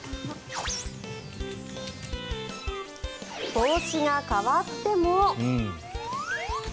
帽子が変わっても。